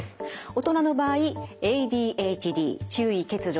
大人の場合ＡＤＨＤ注意欠如